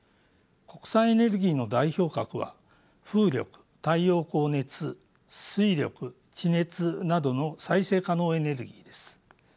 国産エネルギーの代表格は風力太陽光・熱水力地熱などの再生可能エネルギーです。